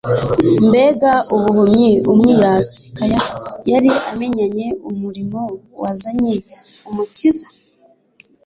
Mbega ubuhumyi umwirasi Kayafa yari amenyanye umurimo wazanye Umukiza!